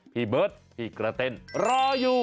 พี่เบิร์ตพี่กระเต้นรออยู่